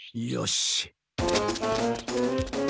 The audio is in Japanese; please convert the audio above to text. よし。